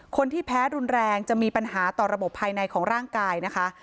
คนที่แพ้รุนแรงจะมีปัญหาต่อระบบภายในของร่างกายนะคะ